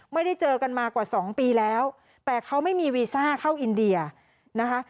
ไม่ได้เจอกันมากว่าสองปีแล้วแต่เขาไม่มีวีซ่าเข้าอินเดียนะคะ